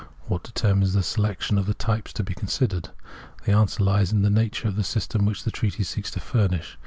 What determines the selection of the types to be con sidered ? The answer lies in the nature of system which the treatise seeks to furnish.